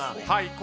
はい。